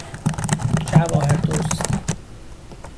جواهر دزد